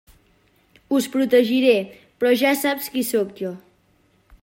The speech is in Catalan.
Us protegiré, però ja saps qui sóc jo.